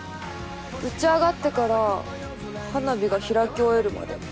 打ち上がってから花火が開き終えるまで。